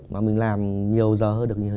mà mình làm nhiều giờ hơn được